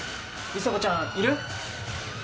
里紗子ちゃんいる？